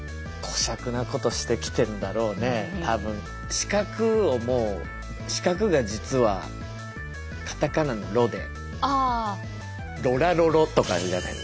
四角を四角が実はカタカナの「ロ」で「ロラロロ」とかじゃないの？